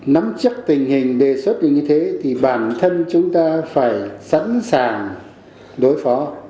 nắm chắc tình hình đề xuất là như thế thì bản thân chúng ta phải sẵn sàng đối phó